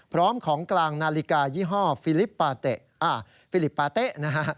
พร้อมของกลางนาฬิกายี่ห้อฟิลิปฟิลิปปาเต๊ะนะฮะ